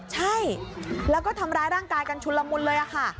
ใช่แล้วก็ทำร้ายร่างกายกันชุนละมุนเลยค่ะ